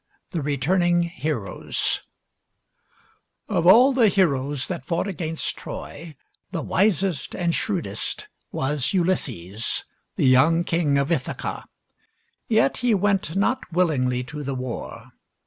THE RETURNING HEROES Of all the heroes that fought against Troy, the wisest and shrewdest was Ulysses, the young king of Ithaca. Yet he went not willingly to the war.